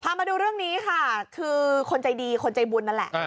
มาดูเรื่องนี้ค่ะคือคนใจดีคนใจบุญนั่นแหละ